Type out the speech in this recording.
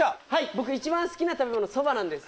僕一番好きな食べ物そばなんです。